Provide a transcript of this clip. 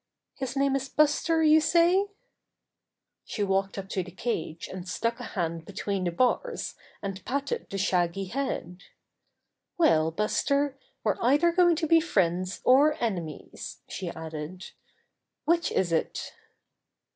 His name is Buster, you say?" 66 Buster the Bear She walked up to the cage and stuck a hand between the bars and patted the shaggy head. 'Well, Buster, we're either going to be friends or enemies," she added. "Which is it?"